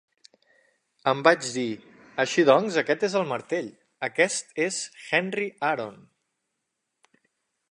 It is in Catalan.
"Em vaig dir, així doncs aquest és el Martell, aquest és Henry Aaron.